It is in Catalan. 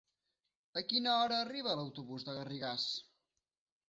A quina hora arriba l'autobús de Garrigàs?